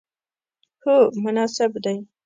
هو، مناسب دی